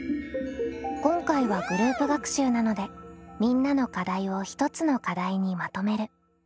今回はグループ学習なのでみんなの課題を１つの課題にまとめる。